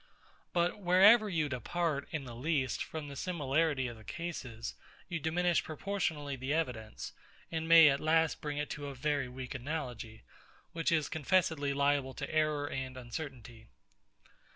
But wherever you depart, in the least, from the similarity of the cases, you diminish proportionably the evidence; and may at last bring it to a very weak analogy, which is confessedly liable to error and uncertainty.